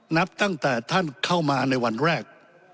นับตั้งแต่ท่านเข้ามาในวันแรก